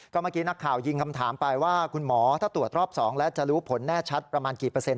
เมื่อกี้นักข่าวยิงคำถามไปว่าคุณหมอถ้าตรวจรอบ๒แล้วจะรู้ผลแน่ชัดประมาณกี่เปอร์เซ็น